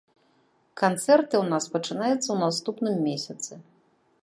Канцэрты ў нас пачынаюцца ў наступным месяцы.